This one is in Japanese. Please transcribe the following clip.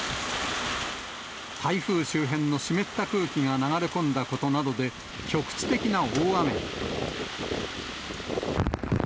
台風周辺の湿った空気が流れ込んだことなどで、局地的な大雨に。